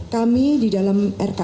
kami di dalam rkap